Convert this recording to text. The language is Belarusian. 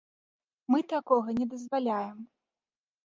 Мы такога не дазваляем.